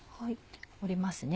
折りますね。